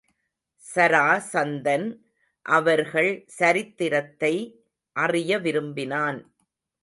சரா சந்தன் அவர்கள் சரித்திரத்தை அறிய விரும்பினான்.